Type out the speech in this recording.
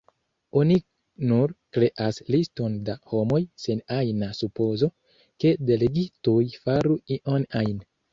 Oni nur kreas liston da homoj sen ajna supozo, ke delegitoj faru ion ajn.